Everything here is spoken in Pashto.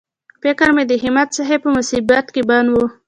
فکر مې د همت صاحب په مصیبت کې بند و.